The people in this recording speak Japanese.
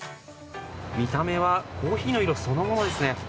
見た目はコーヒーの色そのものですね。